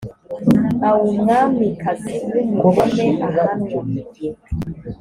aumwamikazi w umugome ahanwa